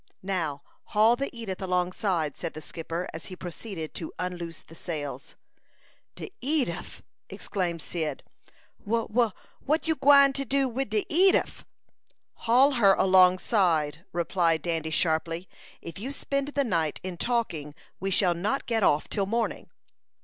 "Now, haul the Edith alongside," said the skipper, as he proceeded to unloose the sails. "De Edif!" exclaimed Cyd. "Wha wha what you gwine to do wid de Edif?" "Haul her alongside!" replied Dandy, sharply. "If you spend the night in talking, we shall not get off till morning."